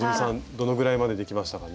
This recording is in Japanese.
どのぐらいまでできましたかね？